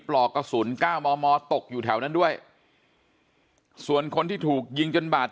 ปลอกกระสุน๙มมตกอยู่แถวนั้นด้วยส่วนคนที่ถูกยิงจนบาด